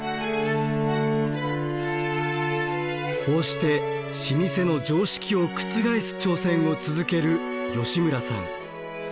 こうして老舗の常識を覆す挑戦を続ける吉村さん。